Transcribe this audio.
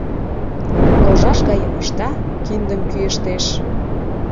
Ложаш гайым ышта, киндым кӱэштеш.